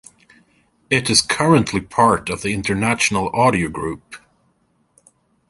It is currently part of the International Audio Group.